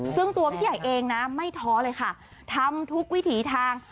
ซึ่งตัวพี่ใหญ่เองนะไม่ท้อเลยค่ะทำทุกวิถีทาง